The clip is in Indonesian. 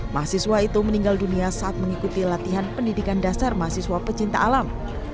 mahasiswa itu meninggal dunia saat mengikuti latihan pendidikan dasar mahasiswa pecinta alam